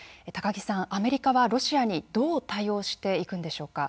木さんアメリカはロシアにどう対応していくんでしょうか？